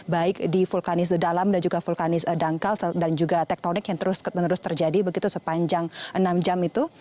baik di vulkanis dalam dan juga vulkanis dangkal dan juga tektonik yang terus menerus terjadi begitu sepanjang enam jam itu